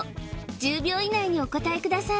１０秒以内にお答えください